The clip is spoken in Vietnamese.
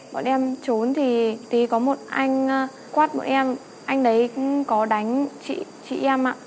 bọn em trốn thì có một anh quát bọn em anh đấy có đánh chị em ạ